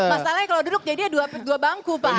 masalahnya kalau duduk jadinya dua bangku pak